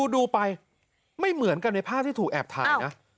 ดูไปไม่เหมือนกันในภาพที่ถูกแอบถ่ายนะ